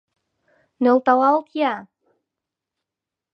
Нӧлталалт-я!..